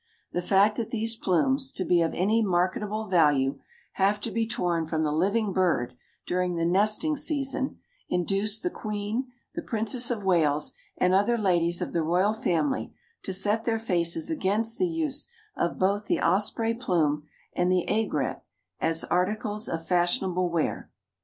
The fact that these plumes, to be of any marketable value, have to be torn from the living bird during the nesting season induced the Queen, the Princess of Wales, and other ladies of the royal family to set their faces against the use of both the osprey plume and the aigrette as articles of fashionable wear.